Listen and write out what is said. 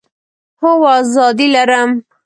هو، آزادي لرم